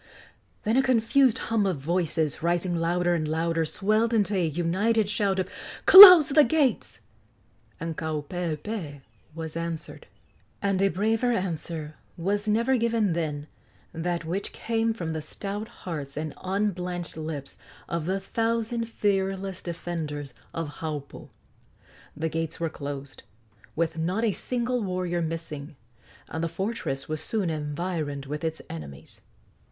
Then a confused hum of voices, rising louder and louder, swelled into a united shout of "Close the gates!" and Kaupeepee was answered. And a braver answer was never given than that which came from the stout hearts and unblanched lips of the thousand fearless defenders of Haupu. The gates were closed, with not a single warrior missing, and the fortress was soon environed with its enemies.